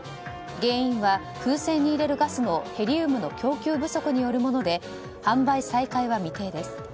原因は風船に入れるガスのヘリウムの供給不足によるもので販売再開は未定です。